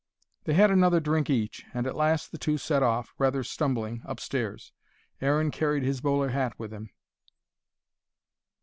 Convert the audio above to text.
They had another drink each, and at last the two set off, rather stumbling, upstairs. Aaron carried his bowler hat with him.